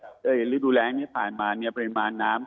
หลักแสดงว่าระดูมแสดงร่างนี้ผ่านมาปริมาณน้ำ